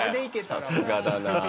さすがだなぁ。